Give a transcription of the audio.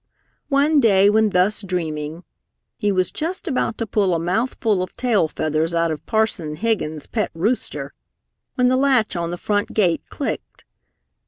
One day when thus dreaming, he was just about to pull a mouthful of tail feathers out of Parson Higgins' pet rooster when the latch on the front gate clicked.